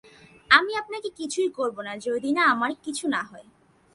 আমি আপনাকে কিছুই করব না যদি আমার কিছু না হয়।